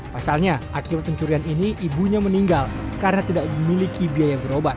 pasalnya akibat pencurian ini ibunya meninggal karena tidak memiliki biaya berobat